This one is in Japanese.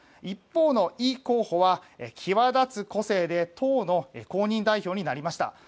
一方のイ候補は際立つ個性で党の公認代表になりました。